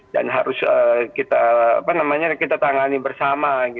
dan harus kita tangani bersama